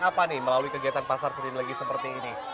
apa melalui kegiatan pasar sering lagi seperti ini